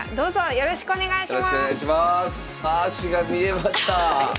よろしくお願いします。